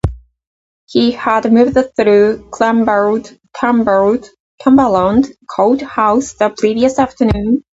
He had moved through Cumberland Court House the previous afternoon.